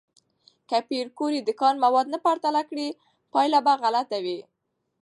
که پېیر کوري د کان مواد نه پرتله کړي، پایله به غلطه وي.